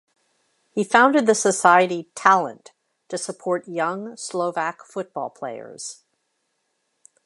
He founded the society "Talent" to support young Slovak football players.